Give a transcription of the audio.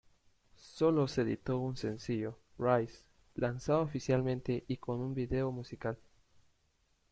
Sólo se editó un sencillo, "Rise", lanzado oficialmente y con un video musical.